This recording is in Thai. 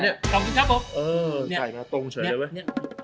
เอ่ยใส่มาตรงเฉยเลยเว้ย